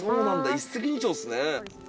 一石二鳥っすね。